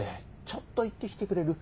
ちょっと行って来てくれる？